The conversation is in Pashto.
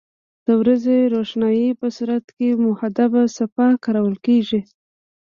د ورځې د روښنایي په صورت کې محدبه صفحه کارول کیږي.